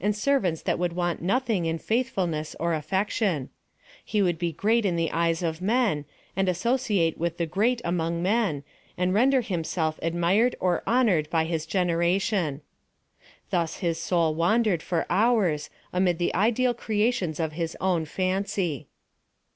209 servants that would want nothing in faithfulness or affection — he would be great in the eyes of men, and associate with the great among men, and ren ! der himself admired or honored by his generation. Thus his soul wandered, for hours, amid the ideal creations of his own fancy.